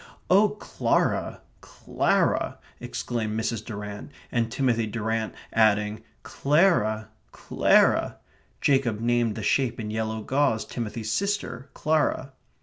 "Oh, Clara, Clara!" exclaimed Mrs. Durrant, and Timothy Durrant adding, "Clara, Clara," Jacob named the shape in yellow gauze Timothy's sister, Clara.